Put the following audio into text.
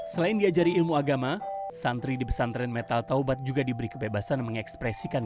selain diajari ilmu agama santri di pesantren metal taubat juga diberi kebebasan mengekspresikan